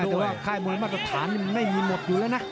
อันนี้ขายหมุนมาตรฐานไหมมันยังไม่มีหมดอยู่แล้วนะ